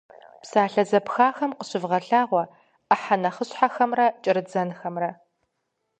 Псалъэ зэпхахэм къыщывгъэлъагъуэ ӏыхьэ нэхъыщхьэмрэ кӏэрыдзэнымрэ.